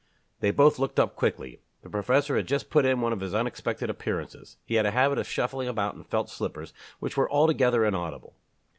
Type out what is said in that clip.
They both looked up quickly. The professor had just put in one of his unexpected appearances. He had a habit of shuffling about in felt slippers which were altogether inaudible.